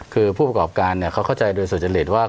คือผู้ประกอบการเขาเข้าใจโดยสุจริตว่า